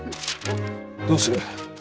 どうする。